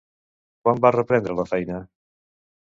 Quan va reprendre la feina?